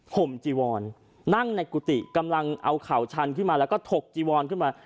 ห่มจีวอนนั่งในกุฏิกำลังเอาเข่าชันขึ้นมาแล้วก็ถกจีวอนขึ้นมา